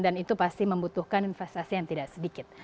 dan itu pasti membutuhkan investasi yang tidak sedikit